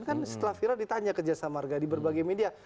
kan setelah viral ditanya ke jasa marga di berbagai media